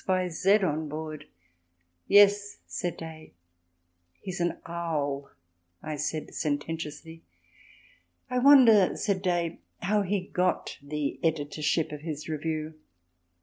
Y.Z._ on board." "Yes," said Day. "He's an owl," said I sententiously. "I wonder," said Day, "how he got the editorship of his review?"